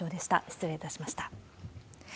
失礼いたしました。